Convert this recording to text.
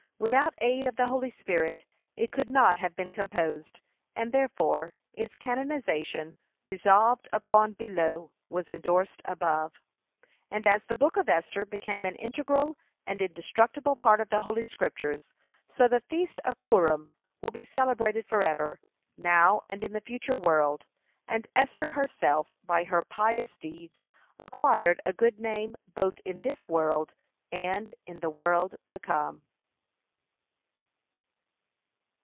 Without aid of the holy spirit, it could not have been composed, and therefore its canonization resolved upon "below" was endorsed "above." (193) And as the Book of Esther became an integral and indestructible part of the Holy Scriptures, so the Feast of Purim will be celebrated forever, now and in the future world, and Esther herself by her pious deeds acquired a good name both in this world and in the world to come.